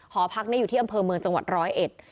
หอพักเนี่ยอยู่ที่อำเภอเมืองจังหวัด๑๐๑